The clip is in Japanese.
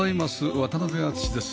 渡辺篤史です